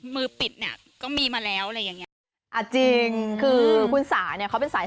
มือปิดเนี่ยก็มีมาแล้วอะไรอย่างเงี้ยอ่าจริงคือคุณสาเนี่ยเขาเป็นสาย